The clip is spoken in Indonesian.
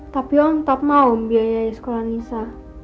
tapi om tetap mau membiayai sekolah nisa